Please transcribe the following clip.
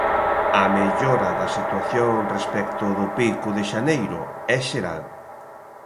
A mellora da situación respecto do pico de xaneiro é xeral.